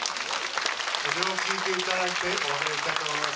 それを聴いていただいて、お別れしたいと思います。